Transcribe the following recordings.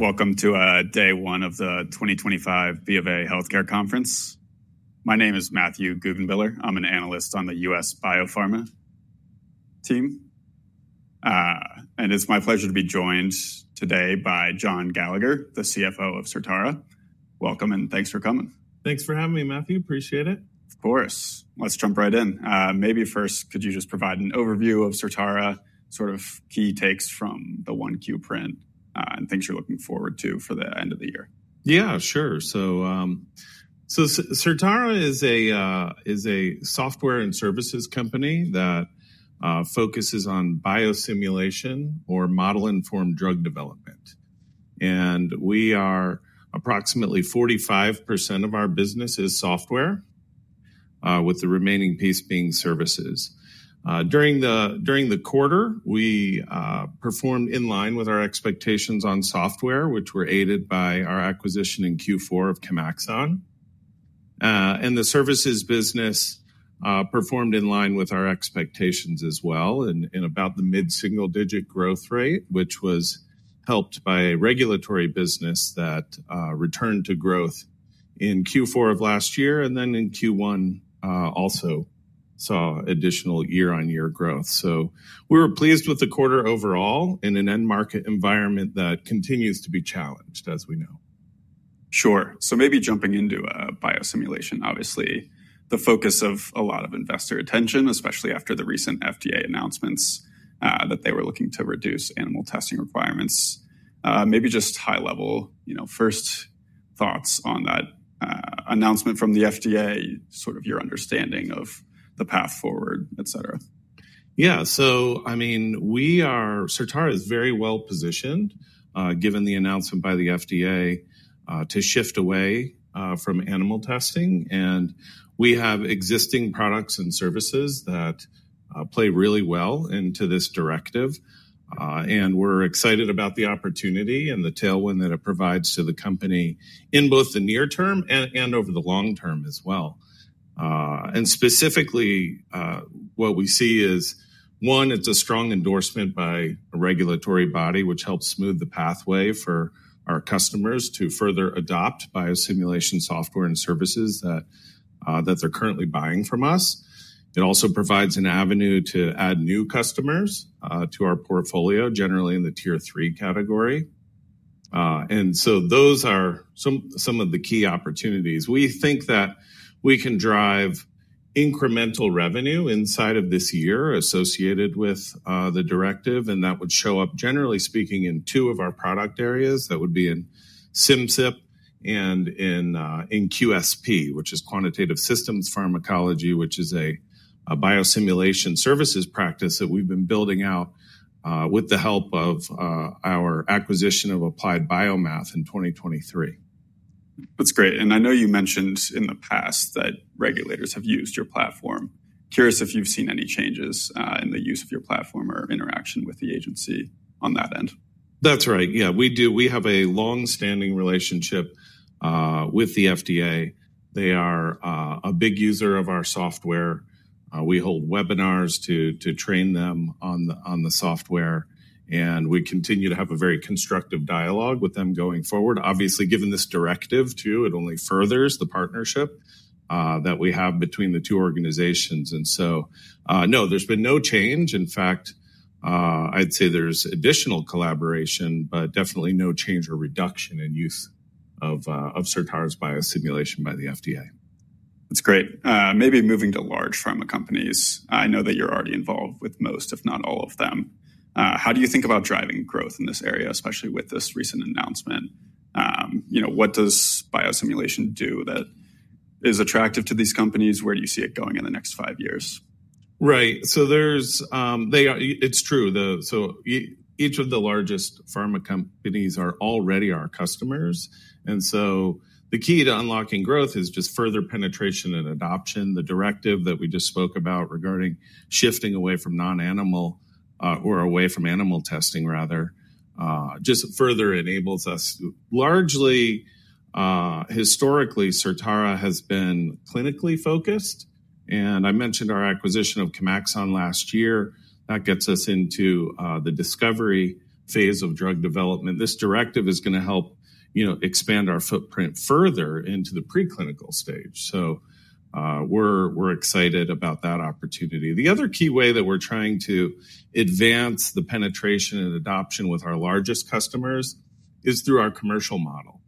Welcome to day one of the 2025 B of A Healthcare conference. My name is Matthew Guggenbiller. I'm an analyst on the U.S. biopharma team. It's my pleasure to be joined today by John Gallagher, the CFO of Certara. Welcome, and thanks for coming. Thanks for having me, Matthew. Appreciate it. Of course. Let's jump right in. Maybe first, could you just provide an overview of Certara, sort of key takes from the one Q print, and things you're looking forward to for the end of the year? Yeah, sure. Certara is a software and services company that focuses on biosimulation or model-informed drug development. We are approximately 45% of our business is software, with the remaining piece being services. During the quarter, we performed in line with our expectations on software, which were aided by our acquisition in Q4 of Chemaxon. The services business performed in line with our expectations as well, in about the mid-single-digit growth rate, which was helped by a regulatory business that returned to growth in Q4 of last year. In Q1, also saw additional year-on-year growth. We were pleased with the quarter overall in an end-market environment that continues to be challenged, as we know. Sure. Maybe jumping into biosimulation, obviously, the focus of a lot of investor attention, especially after the recent FDA announcements that they were looking to reduce animal testing requirements. Maybe just high-level first thoughts on that announcement from the FDA, sort of your understanding of the path forward, et cetera. Yeah. I mean, Certara is very well positioned, given the announcement by the FDA, to shift away from animal testing. We have existing products and services that play really well into this directive. We are excited about the opportunity and the tailwind that it provides to the company in both the near term and over the long term as well. Specifically, what we see is one, it is a strong endorsement by a regulatory body, which helps smooth the pathway for our customers to further adopt biosimulation software and services that they are currently buying from us. It also provides an avenue to add new customers to our portfolio, generally in the tier three category. Those are some of the key opportunities. We think that we can drive incremental revenue inside of this year associated with the directive. That would show up, generally speaking, in two of our product areas. That would be in Simcyp and in QSP, which is Quantitative Systems Pharmacology, which is a biosimulation services practice that we've been building out with the help of our acquisition of Applied Biomath in 2023. That's great. I know you mentioned in the past that regulators have used your platform. Curious if you've seen any changes in the use of your platform or interaction with the agency on that end. That's right. Yeah, we do. We have a long-standing relationship with the FDA. They are a big user of our software. We hold webinars to train them on the software. We continue to have a very constructive dialogue with them going forward. Obviously, given this directive too, it only furthers the partnership that we have between the two organizations. No, there's been no change. In fact, I'd say there's additional collaboration, but definitely no change or reduction in use of Certara's biosimulation by the FDA. That's great. Maybe moving to large pharma companies, I know that you're already involved with most, if not all of them. How do you think about driving growth in this area, especially with this recent announcement? What does biosimulation do that is attractive to these companies? Where do you see it going in the next five years? Right. It is true. Each of the largest pharma companies are already our customers. The key to unlocking growth is just further penetration and adoption. The directive that we just spoke about regarding shifting away from non-animal, or away from animal testing, rather, just further enables us. Largely, historically, Certara has been clinically focused. I mentioned our acquisition of Chemaxon last year. That gets us into the discovery phase of drug development. This directive is going to help expand our footprint further into the preclinical stage. We are excited about that opportunity. The other key way that we are trying to advance the penetration and adoption with our largest customers is through our commercial model.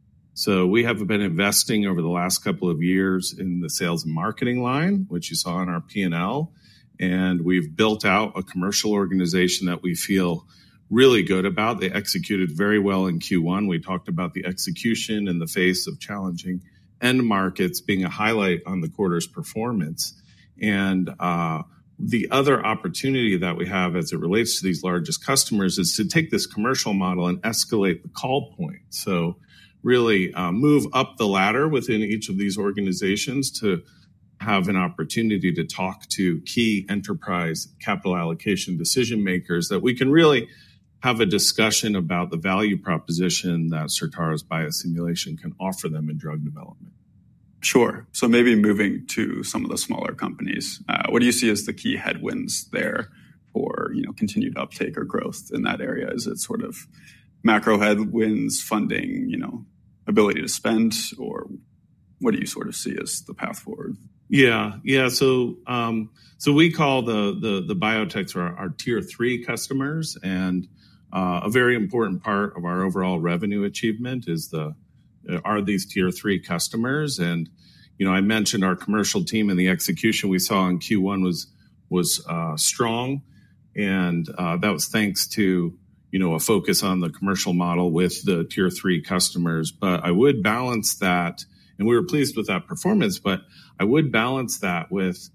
We have been investing over the last couple of years in the sales and marketing line, which you saw in our P&L. We have built out a commercial organization that we feel really good about. They executed very well in Q1. We talked about the execution in the face of challenging end markets being a highlight on the quarter's performance. The other opportunity that we have as it relates to these largest customers is to take this commercial model and escalate the call point. Really move up the ladder within each of these organizations to have an opportunity to talk to key enterprise capital allocation decision makers, so that we can really have a discussion about the value proposition that Certara's biosimulation can offer them in drug development. Sure. Maybe moving to some of the smaller companies, what do you see as the key headwinds there for continued uptake or growth in that area? Is it sort of macro headwinds, funding, ability to spend, or what do you sort of see as the path forward? Yeah. Yeah. We call the biotechs our tier three customers. A very important part of our overall revenue achievement are these tier three customers. I mentioned our commercial team, and the execution we saw in Q1 was strong. That was thanks to a focus on the commercial model with the tier three customers. I would balance that, and we were pleased with that performance. I would balance that with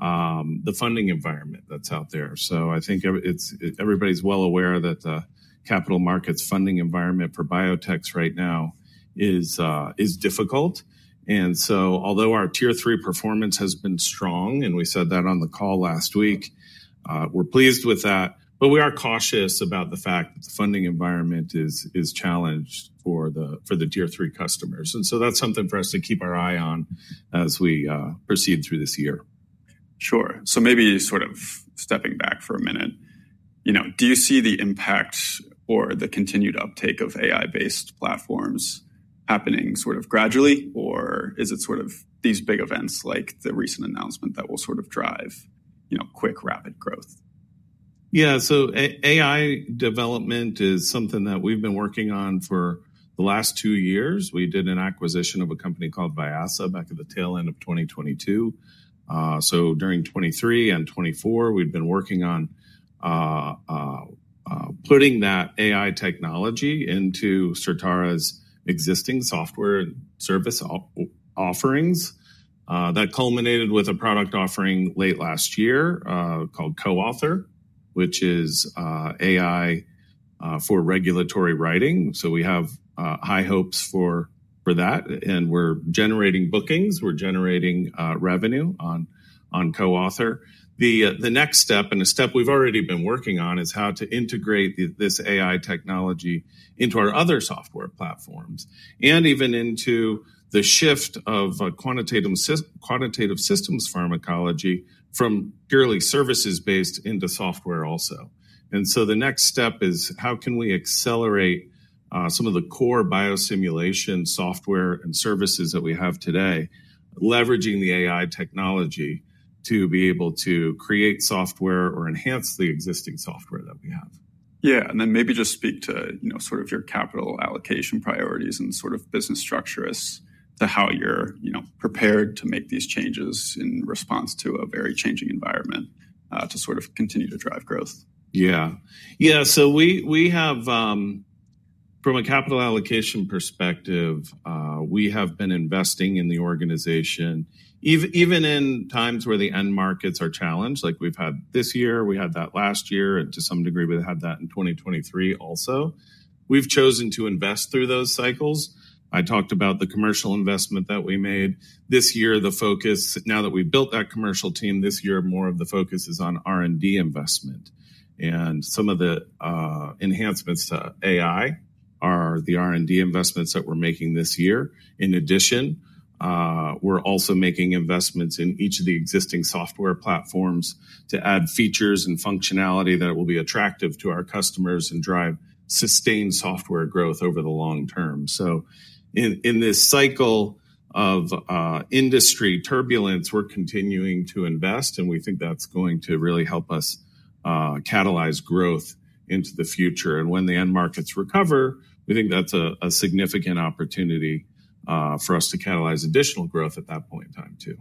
the funding environment that's out there. I think everybody's well aware that the capital markets funding environment for biotechs right now is difficult. Although our tier three performance has been strong, and we said that on the call last week, we're pleased with that. We are cautious about the fact that the funding environment is challenged for the tier three customers. That is something for us to keep our eye on as we proceed through this year. Sure. Maybe sort of stepping back for a minute, do you see the impact or the continued uptake of AI-based platforms happening sort of gradually, or is it these big events like the recent announcement that will drive quick, rapid growth? Yeah. AI development is something that we've been working on for the last two years. We did an acquisition of a company called Vyasa back at the tail end of 2022. During 2023 and 2024, we've been working on putting that AI technology into Certara's existing software and service offerings. That culminated with a product offering late last year called CoAuthor, which is AI for regulatory writing. We have high hopes for that. We're generating bookings. We're generating revenue on CoAuthor. The next step, and a step we've already been working on, is how to integrate this AI technology into our other software platforms and even into the shift of quantitative systems pharmacology from purely services-based into software also. The next step is how can we accelerate some of the core biosimulation software and services that we have today, leveraging the AI technology to be able to create software or enhance the existing software that we have. Yeah. Maybe just speak to sort of your capital allocation priorities and sort of business structures to how you're prepared to make these changes in response to a very changing environment to sort of continue to drive growth. Yeah. Yeah. From a capital allocation perspective, we have been investing in the organization, even in times where the end markets are challenged, like we've had this year. We had that last year. To some degree, we had that in 2023 also. We've chosen to invest through those cycles. I talked about the commercial investment that we made. This year, the focus, now that we've built that commercial team, this year, more of the focus is on R&D investment. Some of the enhancements to AI are the R&D investments that we're making this year. In addition, we're also making investments in each of the existing software platforms to add features and functionality that will be attractive to our customers and drive sustained software growth over the long term. In this cycle of industry turbulence, we're continuing to invest. We think that's going to really help us catalyze growth into the future. When the end markets recover, we think that's a significant opportunity for us to catalyze additional growth at that point in time, too.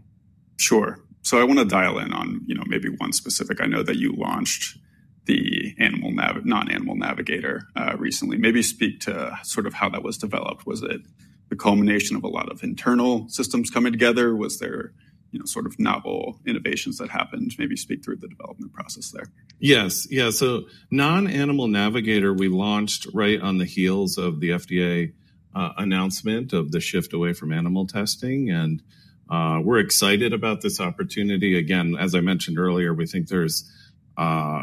Sure. I want to dial in on maybe one specific. I know that you launched the Non-Animal Navigator recently. Maybe speak to sort of how that was developed. Was it the culmination of a lot of internal systems coming together? Was there sort of novel innovations that happened? Maybe speak through the development process there. Yes. Yeah. Non-Animal Navigator, we launched right on the heels of the FDA announcement of the shift away from animal testing. We're excited about this opportunity. Again, as I mentioned earlier, we think there's an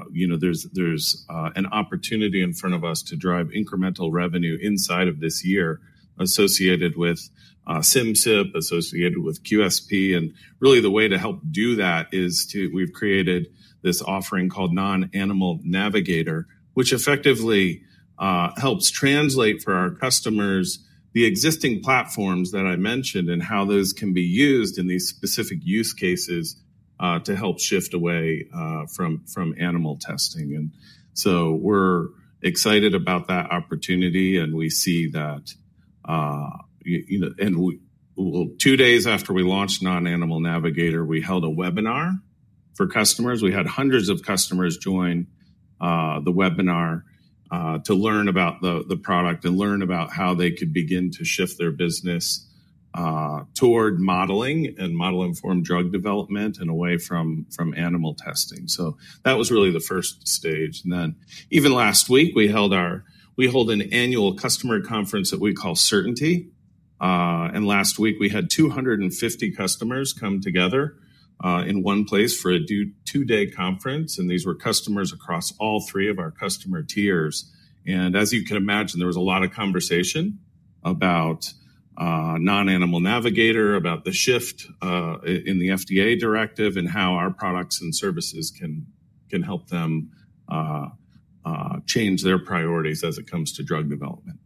opportunity in front of us to drive incremental revenue inside of this year associated with Simcyp, associated with QSP. Really, the way to help do that is we've created this offering called Non-Animal Navigator, which effectively helps translate for our customers the existing platforms that I mentioned and how those can be used in these specific use cases to help shift away from animal testing. We're excited about that opportunity. We see that. Two days after we launched Non-Animal Navigator, we held a webinar for customers. We had hundreds of customers join the webinar to learn about the product and learn about how they could begin to shift their business toward modeling and model-informed drug development and away from animal testing. That was really the first stage. Even last week, we held an annual customer conference that we call Certainty. Last week, we had 250 customers come together in one place for a two-day conference. These were customers across all three of our customer tiers. As you can imagine, there was a lot of conversation about Non-Animal Navigator, about the shift in the FDA directive, and how our products and services can help them change their priorities as it comes to drug development.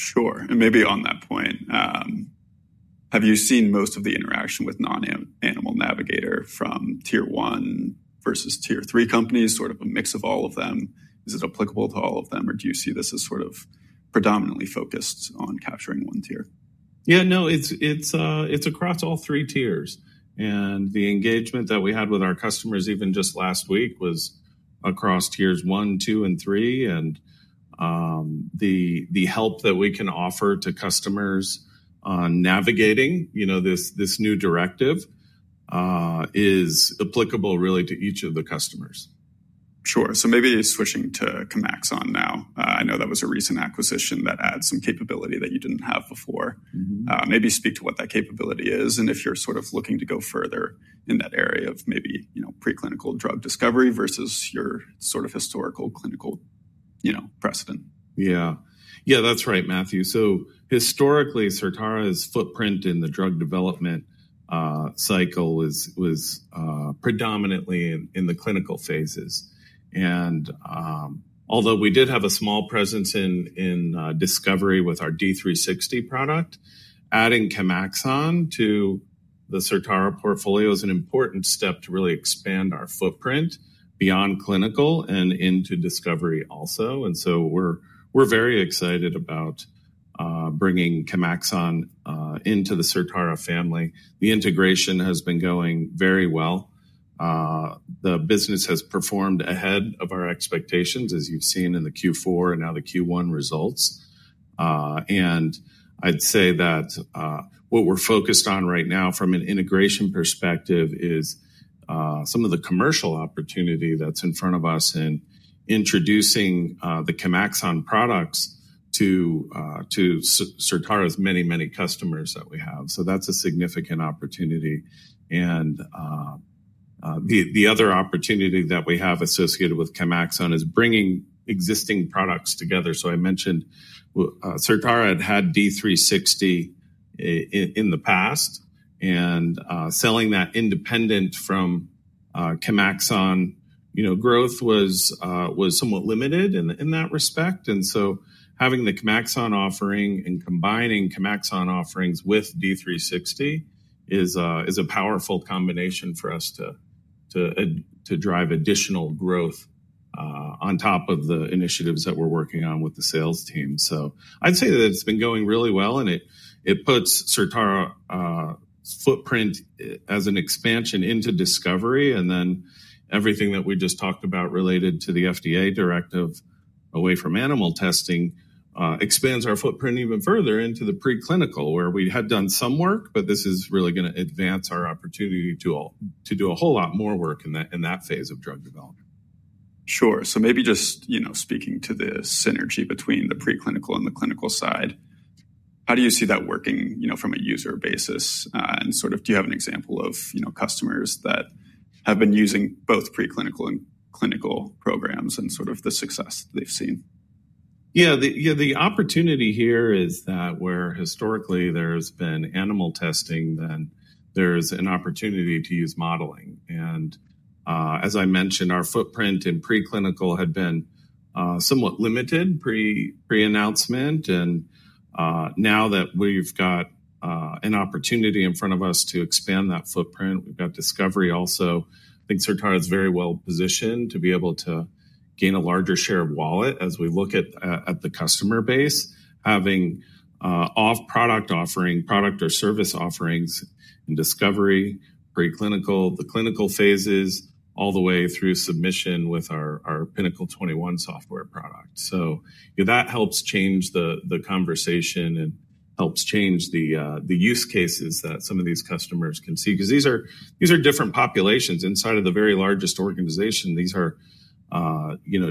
Sure. Maybe on that point, have you seen most of the interaction with Non-Animal Navigator from tier one versus tier three companies, sort of a mix of all of them? Is it applicable to all of them, or do you see this as sort of predominantly focused on capturing one tier? Yeah. No, it's across all three tiers. The engagement that we had with our customers, even just last week, was across tiers one, two, and three. The help that we can offer to customers navigating this new directive is applicable really to each of the customers. Sure. Maybe switching to Chemaxon now. I know that was a recent acquisition that adds some capability that you did not have before. Maybe speak to what that capability is and if you are sort of looking to go further in that area of maybe preclinical drug discovery versus your sort of historical clinical precedent. Yeah. Yeah, that's right, Matthew. Historically, Certara's footprint in the drug development cycle was predominantly in the clinical phases. Although we did have a small presence in discovery with our D360 product, adding Chemaxon to the Certara portfolio is an important step to really expand our footprint beyond clinical and into discovery, also. We are very excited about bringing Chemaxon into the Certara family. The integration has been going very well. The business has performed ahead of our expectations, as you've seen in the Q4 and now the Q1 results. I'd say that what we're focused on right now from an integration perspective is some of the commercial opportunity that's in front of us in introducing the Chemaxon products to Certara's many, many customers that we have. That's a significant opportunity. The other opportunity that we have associated with Chemaxon is bringing existing products together. I mentioned Certara had had D360 in the past. Selling that independent from Chemaxon growth was somewhat limited in that respect. Having the Chemaxon offering and combining Chemaxon offerings with D360 is a powerful combination for us to drive additional growth on top of the initiatives that we're working on with the sales team. I'd say that it's been going really well. It puts Certara's footprint as an expansion into discovery. Everything that we just talked about, related to the FDA directive away from animal testing, expands our footprint even further into the preclinical, where we had done some work, but this is really going to advance our opportunity to do a whole lot more work in that phase of drug development. Sure. Maybe just speaking to the synergy between the preclinical and the clinical side, how do you see that working from a user basis? Do you have an example of customers that have been using both preclinical and clinical programs and the success they've seen? Yeah. The opportunity here is that where historically there's been animal testing, then there's an opportunity to use modeling. As I mentioned, our footprint in preclinical had been somewhat limited pre-announcement. Now that we've got an opportunity in front of us to expand that footprint, we've got discovery also. I think Certara is very well positioned to be able to gain a larger share of wallet as we look at the customer base, having product or service offerings in discovery, preclinical, the clinical phases, all the way through submission with our Pinnacle 21 software product. That helps change the conversation and helps change the use cases that some of these customers can see because these are different populations inside of the very largest organization. These are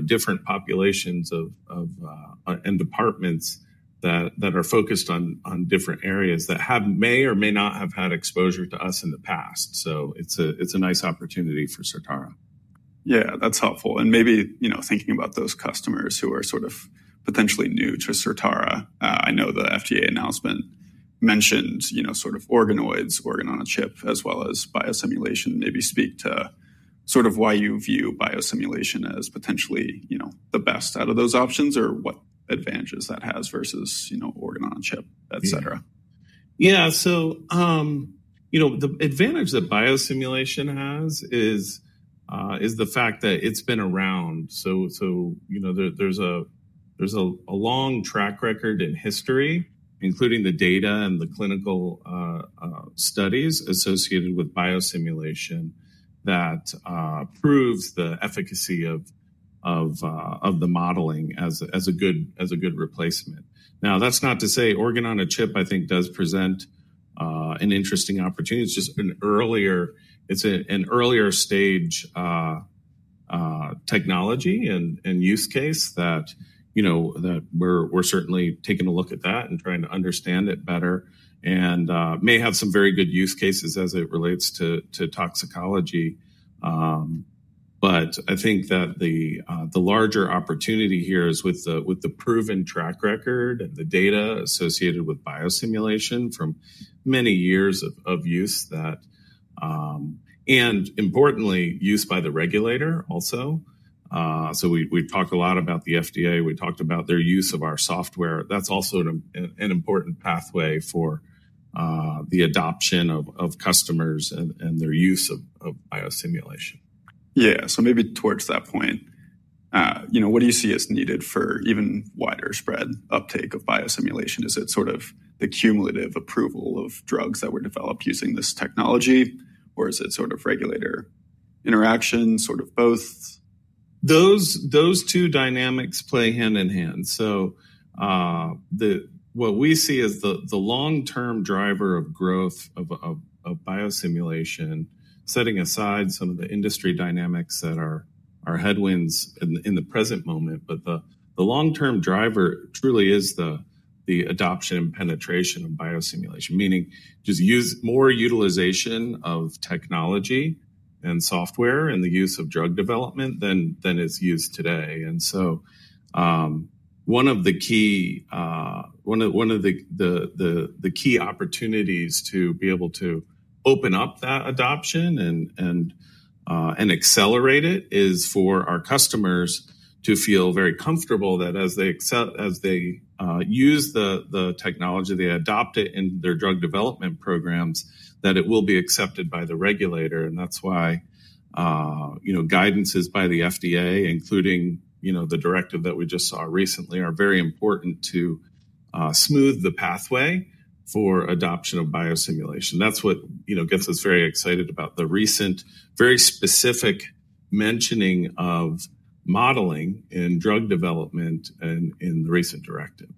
different populations and departments that are focused on different areas that may or may not have had exposure to us in the past. It is a nice opportunity for Certara. Yeah. That's helpful. Maybe thinking about those customers who are sort of potentially new to Certara, I know the FDA announcement mentioned sort of organoids, organ-on-a-chip, as well as biosimulation. Maybe speak to sort of why you view biosimulation as potentially the best out of those options or what advantages that has versus organ-on-a-chip, et cetera. Yeah. So the advantage that biosimulation has is the fact that it's been around. There's a long track record in history, including the data and the clinical studies associated with biosimulation, that proves the efficacy of the modeling as a good replacement. Now, that's not to say organ-on-a-chip, I think, does present an interesting opportunity. It's just an earlier-stage technology and use case that we're certainly taking a look at and trying to understand better, and may have some very good use cases as it relates to toxicology. I think that the larger opportunity here is with the proven track record and the data associated with biosimulation from many years of use and, importantly, use by the regulator also. We've talked a lot about the FDA. We talked about their use of our software. That's also an important pathway for the adoption of customers and their use of biosimulation. Yeah. So maybe towards that point, what do you see as needed for even wider spread uptake of biosimulation? Is it sort of the cumulative approval of drugs that were developed using this technology, or is it sort of regulator interaction, sort of both? Those two dynamics play hand in hand. What we see as the long-term driver of growth of biosimulation, setting aside some of the industry dynamics that are headwinds in the present moment, is the adoption and penetration of biosimulation, meaning just more utilization of technology and software, and the use of drug development than is used today. One of the key opportunities to be able to open up that adoption and accelerate it is for our customers to feel very comfortable that, as they use the technology, they adopt it in their drug development programs, that it will be accepted by the regulator. That is why guidances by the FDA, including the directive that we just saw recently, are very important to smooth the pathway for adoption of biosimulation. That's what gets us very excited about the recent, very specific mentioning of modeling in drug development and in the recent directive.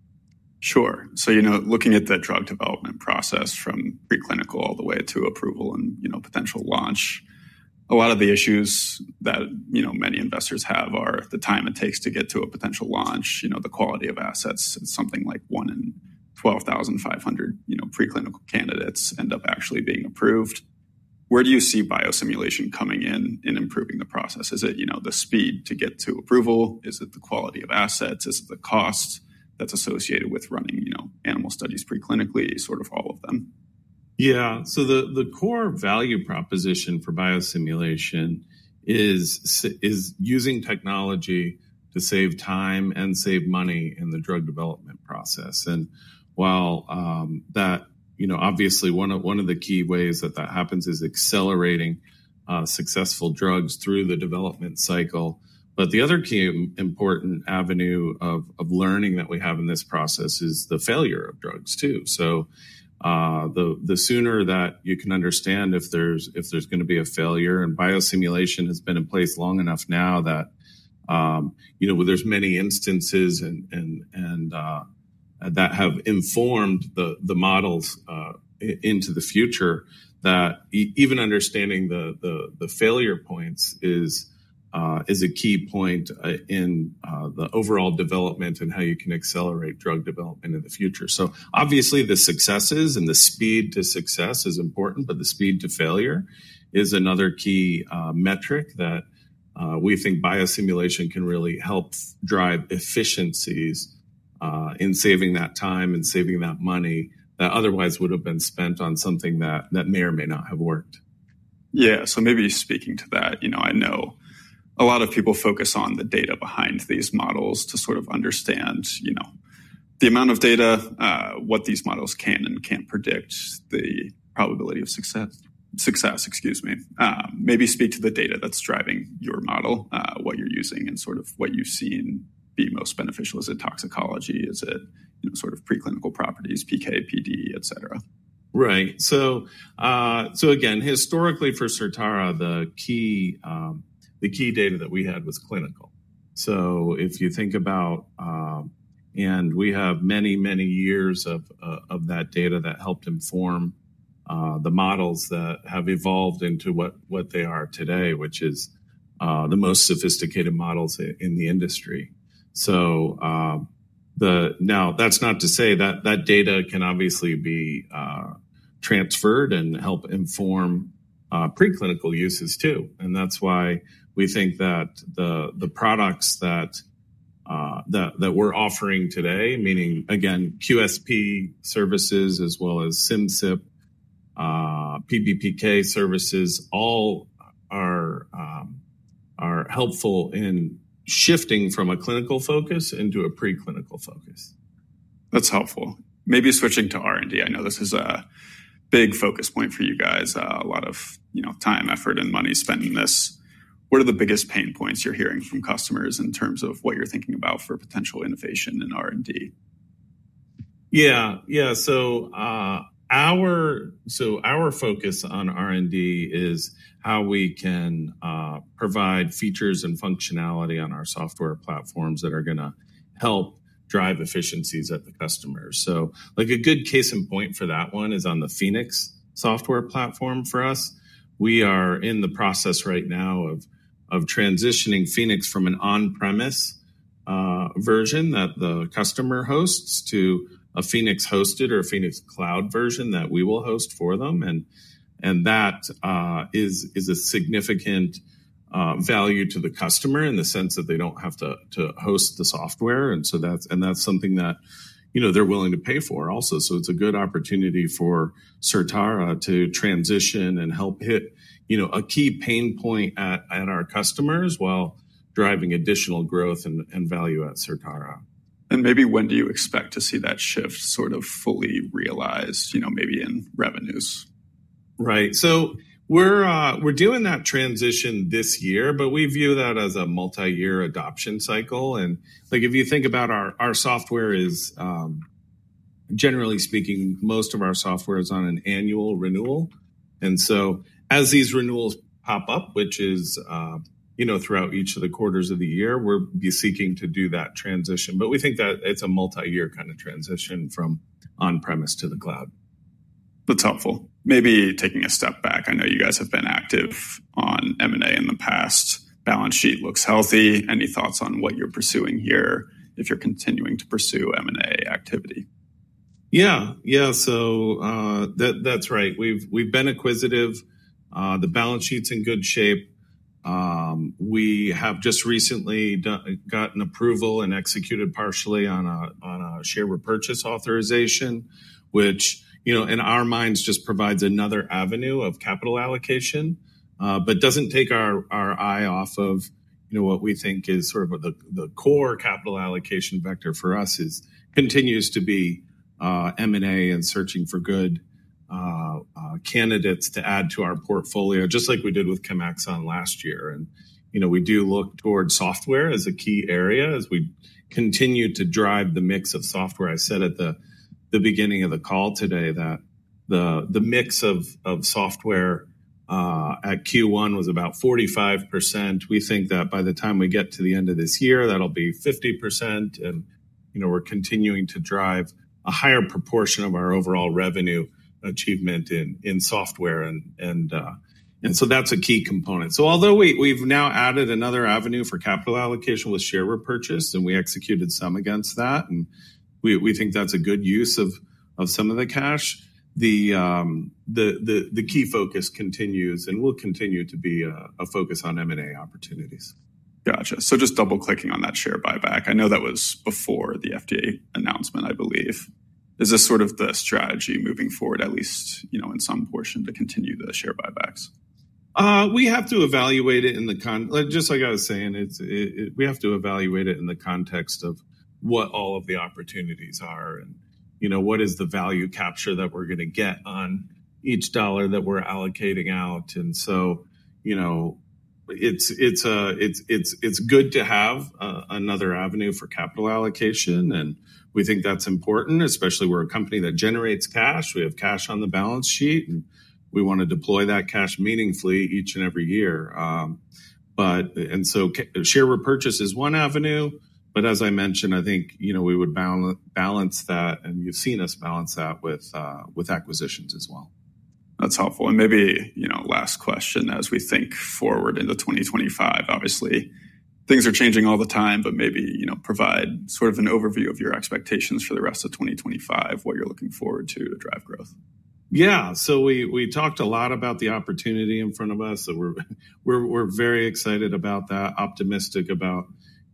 Sure. Looking at the drug development process from preclinical all the way to approval and potential launch, a lot of the issues that many investors have are the time it takes to get to a potential launch, the quality of assets. It's something like 1 in 12,500 preclinical candidates end up actually being approved. Where do you see biosimulation coming in in improving the process? Is it the speed to get to approval? Is it the quality of assets? Is it the cost that's associated with running animal studies preclinically, sort of all of them? Yeah. The core value proposition for biosimulation is using technology to save time and save money in the drug development process. While that, obviously, one of the key ways that that happens is accelerating successful drugs through the development cycle. The other key important avenue of learning that we have in this process is the failure of drugs too. The sooner that you can understand if there's going to be a failure, and biosimulation has been in place long enough now that there's many instances that have informed the models into the future, that even understanding the failure points is a key point in the overall development and how you can accelerate drug development in the future. Obviously, the successes and the speed to success is important, but the speed to failure is another key metric that we think biosimulation can really help drive efficiencies in saving that time and saving that money that otherwise would have been spent on something that may or may not have worked. Yeah. Maybe speaking to that, I know a lot of people focus on the data behind these models to sort of understand the amount of data, what these models can and can't predict, the probability of success, excuse me. Maybe speak to the data that's driving your model, what you're using, and sort of what you've seen be most beneficial. Is it toxicology? Is it sort of preclinical properties, PK, PD, et cetera? Right. So again, historically for Certara, the key data that we had was clinical. If you think about, and we have many, many years of that data that helped inform the models that have evolved into what they are today, which is the most sophisticated models in the industry. That is not to say that that data can obviously be transferred and help inform preclinical uses too. That is why we think that the products that we are offering today, meaning, again, QSP services as well as Simcyp, PBPK services, all are helpful in shifting from a clinical focus into a preclinical focus. That's helpful. Maybe switching to R&D. I know this is a big focus point for you guys, a lot of time, effort, and money spent in this. What are the biggest pain points you're hearing from customers in terms of what you're thinking about for potential innovation in R&D? Yeah. Yeah. Our focus on R&D is how we can provide features and functionality on our software platforms that are going to help drive efficiencies at the customers. A good case in point for that one is on the Phoenix software platform for us. We are in the process right now of transitioning Phoenix from an on-premise version that the customer hosts to a Phoenix-hosted or a Phoenix cloud version that we will host for them. That is a significant value to the customer in the sense that they do not have to host the software. That is something that they are willing to pay for, also. It is a good opportunity for Certara to transition and help hit a key pain point at our customers while driving additional growth and value at Certara. Maybe when do you expect to see that shift sort of fully realized, maybe in revenues? Right. We are doing that transition this year, but we view that as a multi-year adoption cycle. If you think about our software, generally speaking, most of our software is on an annual renewal. As these renewals pop up, which is throughout each of the quarters of the year, we will be seeking to do that transition. We think that it is a multi-year kind of transition from on-premise to the cloud. That's helpful. Maybe taking a step back, I know you guys have been active on M&A in the past. Balance sheet looks healthy. Any thoughts on what you're pursuing here if you're continuing to pursue M&A activity? Yeah. Yeah. That is right. We have been acquisitive. The balance sheet is in good shape. We have just recently gotten approval and executed partially on a share repurchase authorization, which in our minds just provides another avenue of capital allocation, but does not take our eye off of what we think is sort of the core capital allocation vector for us, which continues to be M&A and searching for good candidates to add to our portfolio, just like we did with Chemaxon last year. We do look towards software as a key area as we continue to drive the mix of software. I said at the beginning of the call today that the mix of software at Q1 was about 45%. We think that by the time we get to the end of this year, that will be 50%. We are continuing to drive a higher proportion of our overall revenue achievement in software. That is a key component. Although we have now added another avenue for capital allocation with share repurchase, and we executed some against that, and we think that is a good use of some of the cash, the key focus continues and will continue to be a focus on M&A opportunities. Gotcha. Just double-clicking on that share buyback. I know that was before the FDA announcement, I believe. Is this sort of the strategy moving forward, at least in some portion, to continue the share buybacks? We have to evaluate it in the, just like I was saying, we have to evaluate it in the context of what all of the opportunities are, and what is the value capture that we're going to get on each dollar that we're allocating out. It is good to have another avenue for capital allocation. We think that's important, especially since we're a company that generates cash. We have cash on the balance sheet, and we want to deploy that cash meaningfully each and every year. Share repurchase is one avenue. As I mentioned, I think we would balance that, and you've seen us balance that with acquisitions as well. That's helpful. Maybe last question, as we think forward into 2025, obviously, things are changing all the time, but maybe provide sort of an overview of your expectations for the rest of 2025, what you're looking forward to to drive growth. Yeah. We talked a lot about the opportunity in front of us. We're very excited about that, optimistic about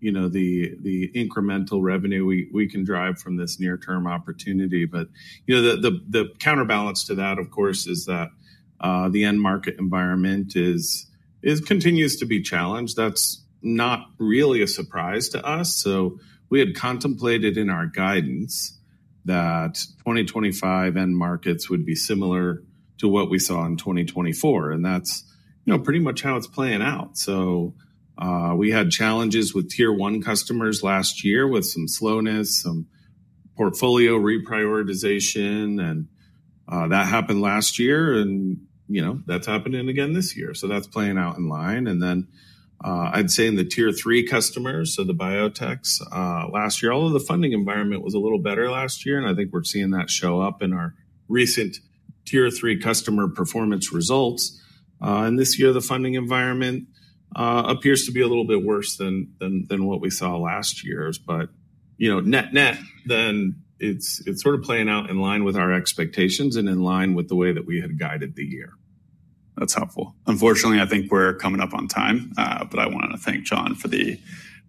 the incremental revenue we can drive from this near-term opportunity. The counterbalance to that, of course, is that the end market environment continues to be challenged. That's not really a surprise to us. We had contemplated in our guidance that 2025 end markets would be similar to what we saw in 2024. That's pretty much how it's playing out. We had challenges with tier one customers last year, with some slowness, some portfolio reprioritization. That happened last year, and that's happened again this year. That's playing out in line. I'd say in the tier three customers, so the biotechs, last year, although the funding environment was a little better last year, I think we're seeing that show up in our recent tier three customer performance results. This year, the funding environment appears to be a little bit worse than what we saw last year. Net net, it's sort of playing out in line with our expectations and in line with the way that we had guided the year. That's helpful. Unfortunately, I think we're coming up on time, but I want to thank John for the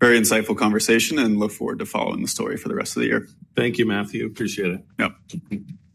very insightful conversation and look forward to following the story for the rest of the year. Thank you, Matthew. Appreciate it. Yep.